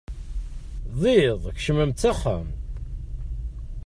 D iḍ, kecmemt s axxam.